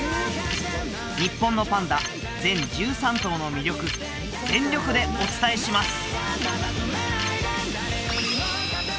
日本のパンダ全１３頭の魅力全力でお伝えします！